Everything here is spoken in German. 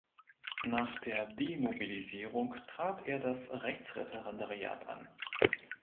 Nach der Demobilisierung trat er das Rechtsreferendariat an.